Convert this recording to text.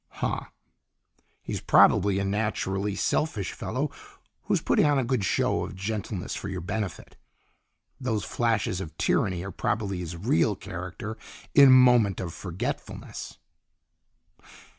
"Huh! He's probably a naturally selfish fellow who's putting on a good show of gentleness for your benefit. Those flashes of tyranny are probably his real character in moment of forgetfulness."